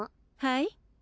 はい？